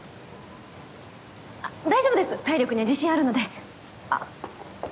あっ大丈夫です体力には自信あるのであっ。